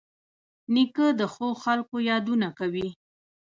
نیکه د ښو خلکو یادونه کوي.